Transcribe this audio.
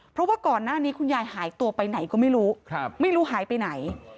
เพราะว่าก่อนหน้านี้คุณยายหายตัวไปไหนก็ไม่รู้ไม่รู้หายไปไหน